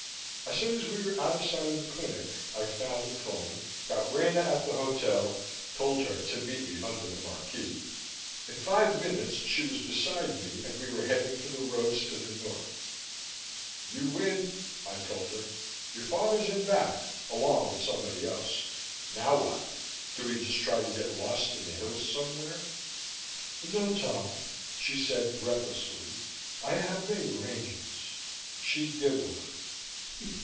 As soon as we were out of sight of the clinic, I found a phone, got Rena at the hotel, told her to meet me under the marquee. In five minutes, she was beside me and we were heading for the roads to the north. "You win," I told her. "Your father's in back along with somebody else. Now what? Do we just try to get lost in the hills somewhere?" "No, Tom," she said breathlessly. "I I have made arrangements." She giggled.